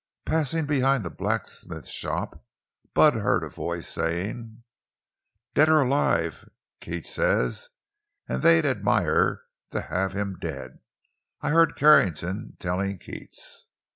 Passing behind the blacksmith shop, Bud heard a voice saying: "Dead or alive, Keats says; an' they'd admire to have him dead. I heard Carrington tellin' Keats!"